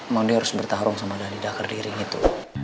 mondi harus bertarung sama dhani dah ke ring itu